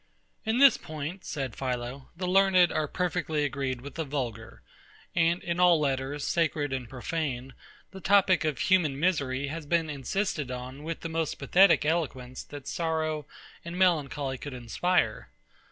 In this point, said PHILO, the learned are perfectly agreed with the vulgar; and in all letters, sacred and profane, the topic of human misery has been insisted on with the most pathetic eloquence that sorrow and melancholy could inspire.